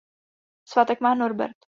Svátek má Norbert.